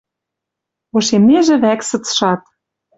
Ошемнежӹ вӓк сыцшат...